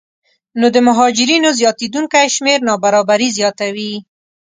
نو د مهاجرینو زیاتېدونکی شمېر نابرابري زیاتوي